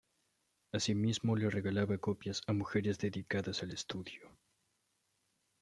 Así mismo le regalaba copias a mujeres dedicadas al estudio.